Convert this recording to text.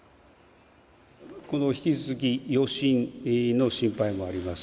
引き続き余震の心配もあります。